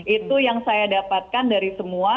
itu yang saya dapatkan dari semua